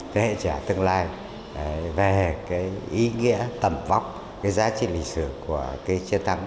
các hệ trẻ tương lai về ý nghĩa tầm vóc giá trị lịch sử của chiến thắng